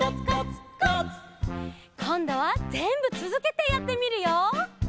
こんどはぜんぶつづけてやってみるよ！